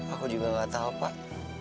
aku juga gak tahu pak